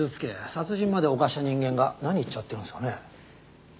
殺人まで犯した人間が何言っちゃってるんですかね？